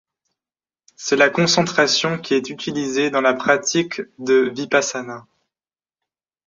C'est la concentration qui est utilisée dans la pratique de vipassana.